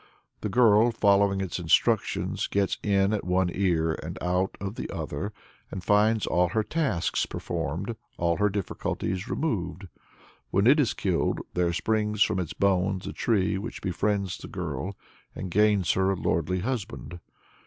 The girl, following its instructions, gets in at one ear and out of the other, and finds all her tasks performed, all her difficulties removed. When it is killed, there springs from its bones a tree which befriends the girl, and gains her a lordly husband.